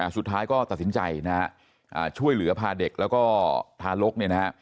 สุดท้ายก็ตัดสินใจช่วยเหลือพาเด็กแล้วก็ทารก